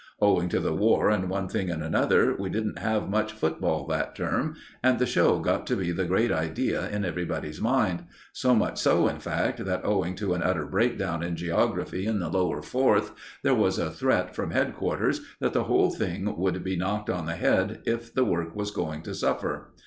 Owing to the War and one thing and another, we didn't have much football that term, and the show got to be the great idea in everybody's mind so much so, in fact, that owing to an utter breakdown in geography in the Lower Fourth, there was a threat from headquarters that the whole thing would be knocked on the head if the work was going to suffer.